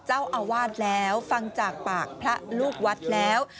เจ้าอาวาสแล้วฟังจากปากพระลูกวัดแล้ว